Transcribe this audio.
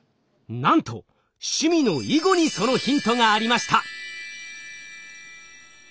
なんと趣味の囲碁にそのヒントがありました。